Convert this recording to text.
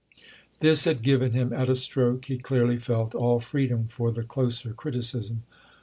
This had given him, at a stroke, he clearly felt, all freedom for the closer criticism.